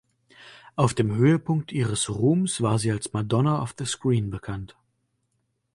Auf dem Höhepunkt ihres Ruhms war sie als „Madonna of the Screen“ bekannt.